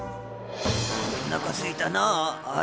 おなかすいたなあ。